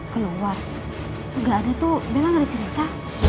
keluar gak ada tuh bella gak ada cerita